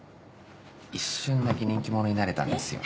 一瞬だけ人気者になれたんですよ。